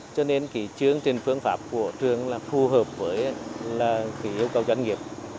cho nên kỳ chướng trên phương pháp của trường là phù hợp với kỳ yêu cầu doanh nghiệp